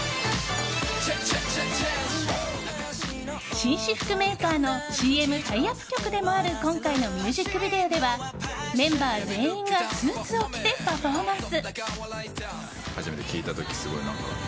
紳士服メーカーのＣＭタイアップ曲でもある今回のミュージックビデオではメンバー全員がスーツを着てパフォーマンス。